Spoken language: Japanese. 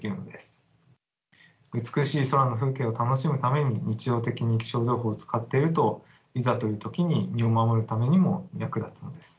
美しい空の風景を楽しむために日常的に気象情報を使っているといざという時に身を守るためにも役立つのです。